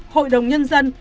hội đồng nhân dân